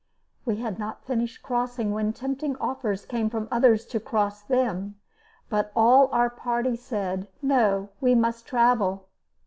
We had not finished crossing when tempting offers came from others to cross them; but all our party said, "No, we must travel."